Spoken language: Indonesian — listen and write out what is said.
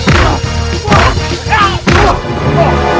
tidak ini orang kita